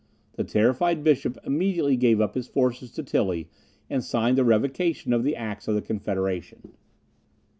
The terrified bishop immediately gave up his forces to Tilly, and signed the revocation of the acts of the Confederation.